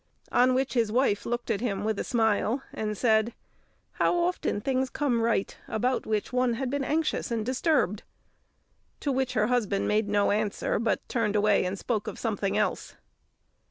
On which his wife looked at him with a smile, and said, "How often things came right, about which one had been anxious and disturbed." To which her husband made no answer, but turned away and spoke of something else.